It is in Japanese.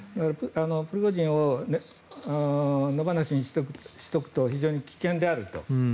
プリゴジンを野放しにしておくと非常に危険であると。